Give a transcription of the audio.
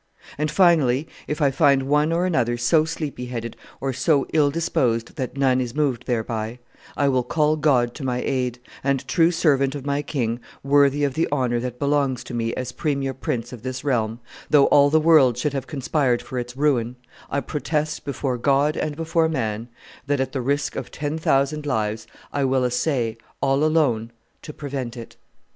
... And finally, if I find one or another so sleepy headed or so ill disposed that none is moved thereby, I will call God to my aid, and, true servant of my king, worthy of the honor that belongs to me as premier prince of this realm, though all the world should have conspired for its ruin, I protest, before God and before man, that, at the risk of ten thousand lives, I will essay all alone to prevent it."